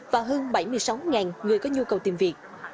và hơn bảy mươi sáu người có nhu cầu tìm việc